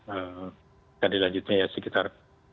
akan dilanjutnya ya sekitar